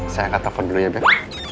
saya angkat telepon dulu ya bek